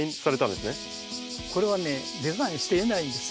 これはねデザインしていないんですよ。